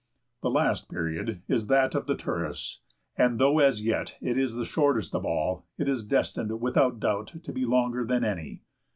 The last period is that of the tourists, and though as yet it is the shortest of all, it is destined without doubt to be longer than any.